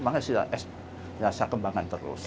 makanya saya kembangkan terus